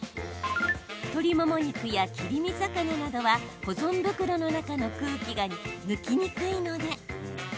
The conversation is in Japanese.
鶏もも肉や切り身魚などは保存袋の中の空気が抜きにくいので。